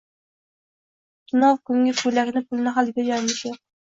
Tunov kungi koʻylakni pulini hali berganimiz yoʻq